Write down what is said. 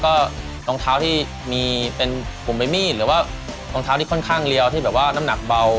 ก็รองเท้าที่มีเป็นกลุ่มใบมีดหรือว่ารองเท้าที่ค่อนข้างเรียวที่แบบว่าน้ำหนักเบา